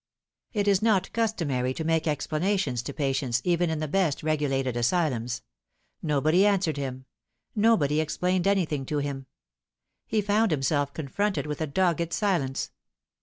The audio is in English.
It is not customary to make explanations to patients even in the best regulated asylums. Nobody answered him ; nobody explained anything to him. He found himself confronted with a dogged silence.